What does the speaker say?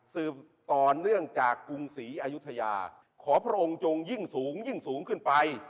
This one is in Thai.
สืบต่อเนื่องจากกรุงศรีอายุทยาขอพระองค์จงยิ่งสูงยิ่งสูงขึ้นไป